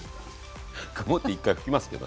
曇って１回拭きますけどね。